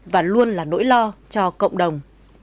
và luôn là nỗi lo cho cộng đồng